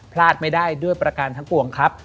พลาดไม่ได้ด้วยประการทั้งปวงครับ